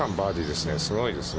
すごいですね。